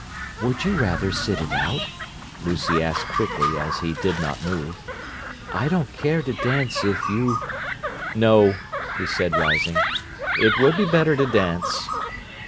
"Would you rather 'sit it out?'" Lucy asked quickly, as he did not move. "I don't care to dance if you—" "No," he said, rising. "It would be better to dance."